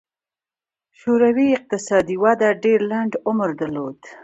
شوروي اقتصادي وده ډېر لنډ عمر درلود.